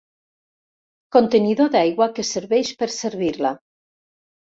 Contenidor d'aigua que serveix per servir-la.